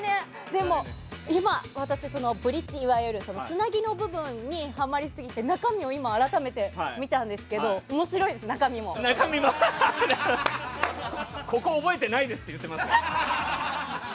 でも今、私はブリッジといわれるつなぎの部分にハマりすぎて中身を今、改めて見たんですけどここ、覚えてないですって言ってましたよ。